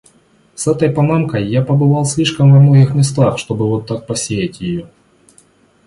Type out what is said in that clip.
С этой панамкой я побывал слишком во многих местах, чтобы вот так посеять её.